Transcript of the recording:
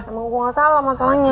emang gue gak salah masalahnya